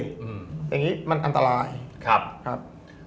อย่างงี้มันอันตราย